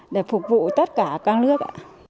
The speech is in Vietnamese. để phục vụ tất cả các nước